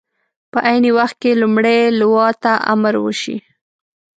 په عین وخت کې لومړۍ لواء ته امر وشي.